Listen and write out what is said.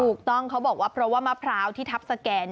ถูกต้องเขาบอกว่าเพราะว่ามะพร้าวที่ทัพสแก่